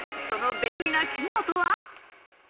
その便利な機能とは？